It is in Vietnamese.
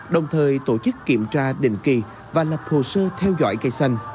đồng thời tổ chức kiểm tra định kỳ và lập hồ sơ theo dõi cây xanh